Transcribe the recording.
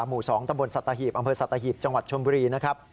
หมู่๒ตำบลสัตหีบอำเภอสัตหีบจังหวัดชนบุรีนะครับ